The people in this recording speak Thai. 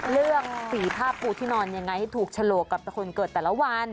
เลือกสีผ้าปูที่นอนยังไงให้ถูกฉลกกับแต่คนเกิดแต่ละวัน